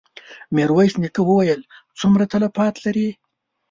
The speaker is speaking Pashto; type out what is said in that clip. ميرويس نيکه وويل: څومره تلفات لرې؟